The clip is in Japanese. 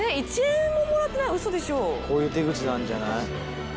こういう手口なんじゃない？